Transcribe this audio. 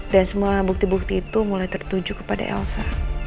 dan semua bukti bukti itu mulai tertuju kepada elsa